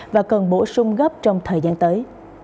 và cần bổ sung gấp trong thời gian tới